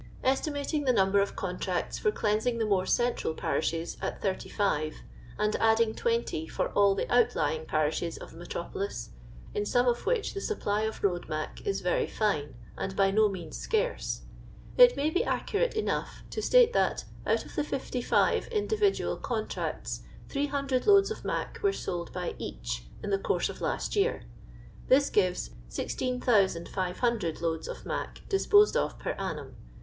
Estimating the number of contracts for cleansing the more central parishes ut 35, and adding 20 for all the outlying parishes of the metropolis — in some of which the supply of road "mac" is very fine, and by no means scarce it may be accurate enough to suite that, out of the 55 individual con tracts, 300 loads of " mac " were sold by each in the course of last year. This gives lt),500 loads of "mac" disposed of per annum.